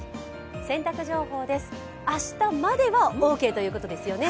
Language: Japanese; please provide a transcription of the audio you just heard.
洗濯情報です、明日まではオーケーということですよね？